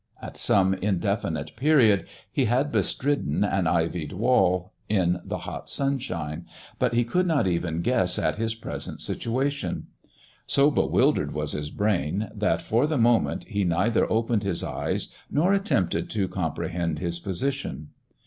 At some indefinite period he had bestridden an ivied wall in the hot sunshine ; but he could not even guess at his present situation. So bewildered was his brain, that for the moment he neither opened his eyes nor attempted to comprehend his position.